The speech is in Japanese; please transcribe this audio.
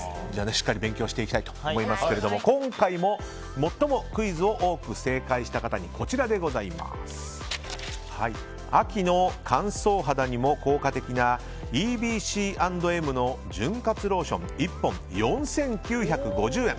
しっかり勉強していきたいと思いますが今回も最もクイズを多く正解した方に秋の乾燥肌にも効果的なＥＢＣ＆Ｍの巡活ローション１本４９５０円。